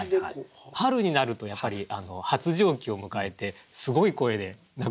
春になるとやっぱり発情期を迎えてすごい声で鳴くじゃないですか。